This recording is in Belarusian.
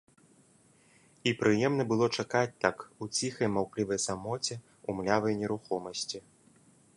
І прыемна было чакаць так, у ціхай маўклівай самоце, у млявай нерухомасці.